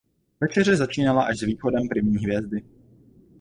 Večeře začínala až s východem první hvězdy.